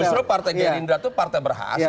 justru partai gerindra itu partai berhasil